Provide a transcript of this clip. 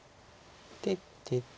で出て。